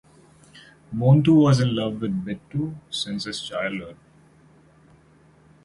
Montu was in love with Bittu since his childhood.